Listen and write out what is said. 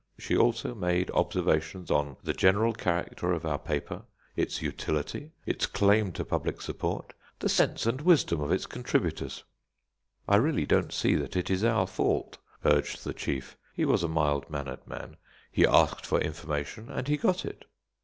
She also made observations on the general character of our paper, its utility, its claim to public support, the sense and wisdom of its contributors. "I really don't see that it is our fault," urged the chief he was a mild mannered man; "he asked for information, and he got it."